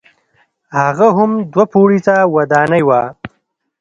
هغه هم دوه پوړیزه ودانۍ وه.